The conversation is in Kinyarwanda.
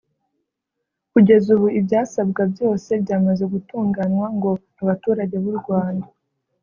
Kugeza ubu ibyasabwaga byose byamaze gutunganwa ngo abaturage b’u Rwanda